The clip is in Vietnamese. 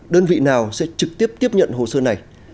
đơn vị nào sẽ trực tiếp tiếp nhận hồ sơ này